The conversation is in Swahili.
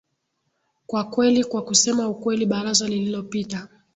kwa kweli kwa kusema ukweli baraza lililopita